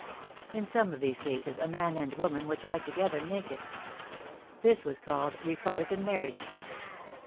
In some of these cases a man and woman were tied together naked. This was called " Republican marriage."